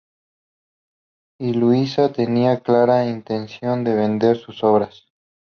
Lluïsa tenía clara intención de vender sus obras.